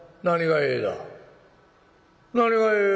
何が『え』だ。